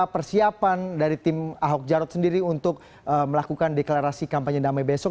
persiapan dari tim ahok jarot sendiri untuk melakukan deklarasi kampanye damai besok